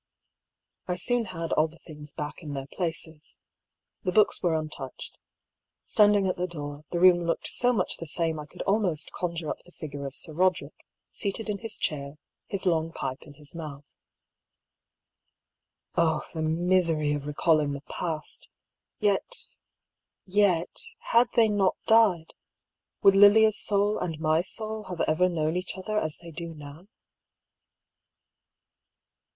I soon had all the things jpack in their places. The books were untouched. Standing at the door, the room looked so much the same I could almost conjure up the figure of Sir Roderick, seated in his chair, his long pipe in his mouth. Oh the misery of recalling the past ! Yet, yet, had they not died, would Lilia's soul and my soul have ever known each other as they do now